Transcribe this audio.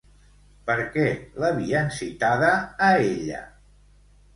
Per què l'havien citada a ella?